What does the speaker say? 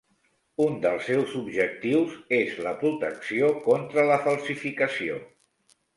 Un dels seus objectius és la protecció contra la falsificació.